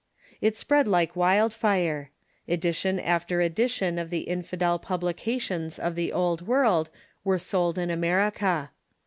It spread like wildfire. Edition after edition of the infidel publications of the Old "World were sold in America.